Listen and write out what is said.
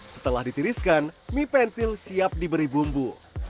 setelah ditiriskan mie pentil siap diberi bumbu